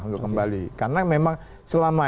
untuk kembali karena memang selama